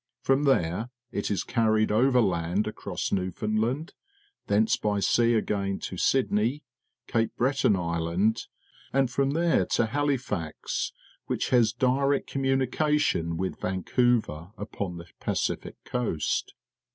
From there it is carried over land across Newfoundland, thence by sea again to Sydney, Cape Breton Island, and from tliei'e to Halifax, which has direct communication with Vancouver upon the Pacific coast.